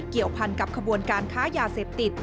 เกี่ยวพันกับขบวนการค้ายาเสพติด